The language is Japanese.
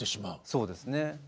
そうですね。